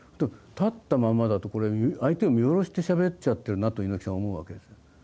立ったままだとこれ相手を見下ろしてしゃべっちゃってるなと猪木さん思うわけですよ。